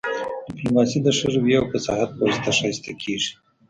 ډیپلوماسي د ښه رويې او فصاحت په واسطه ښایسته کیږي